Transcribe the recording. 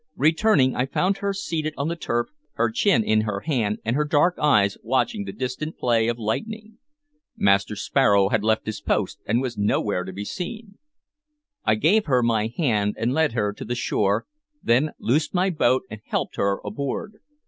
Returning, I found her seated on the turf, her chin in her hand and her dark eyes watching the distant play of lightning. Master Sparrow had left his post, and was nowhere to be seen. I gave her my hand and led her to the shore; then loosed my boat and helped her aboard.